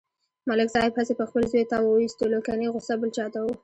ملک صاحب هسې په خپل زوی تاو و ایستلو کني غوسه بل چاته و.